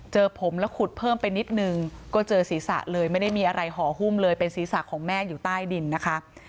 เจอผมแล้วขุดเพิ่มไปนิดนึงก็เจอศีรษะเลยไม่ได้มีอะไรห่อหุ้มเลยเป็นศีรษะของแม่อยู่ใต้ดินนะคะ